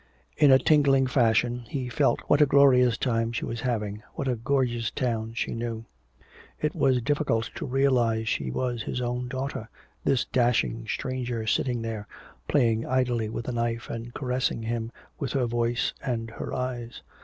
In a tingling fashion he felt what a glorious time she was having, what a gorgeous town she knew. It was difficult to realize she was his own daughter, this dashing stranger sitting here, playing idly with a knife and caressing him with her voice and her eyes.